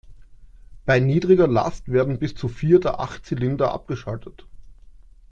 Bei niedriger Last werden bis zu vier der acht Zylinder abgeschaltet.